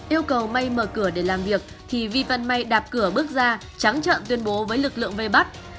yêu cầu may mở cửa để làm việc thì vi văn may đạp cửa bước ra trắng trận tuyên bố với lực lượng v bắc